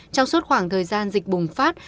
trong suốt khoảng thời gian dịch bùng phát